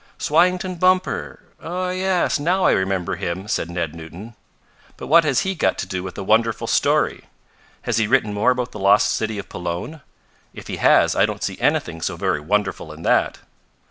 "Swyington Bumper! Oh, yes, now I remember him," said Ned Newton. "But what has he got to do with a wonderful story? Has he written more about the lost city of Pelone? If he has I don't see anything so very wonderful in that."